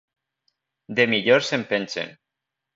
De millors en pengen.